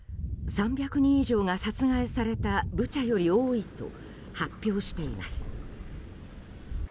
３００人以上が殺害されたブチャより多いと発表しています。